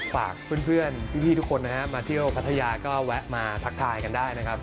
ฝากเพื่อนพี่ทุกคนนะครับมาเที่ยวพัทยาก็แวะมาทักทายกันได้นะครับ